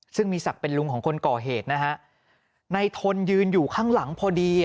ซึ่งมีศักดิ์เป็นลุงของคนก่อเหตุนะฮะในทนยืนอยู่ข้างหลังพอดี